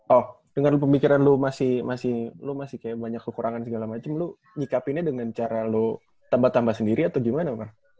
oh dengan lu pemikiran lu masih kayak banyak kekurangan segala macem lu nyikapinnya dengan cara lu tambah tambah sendiri atau gimana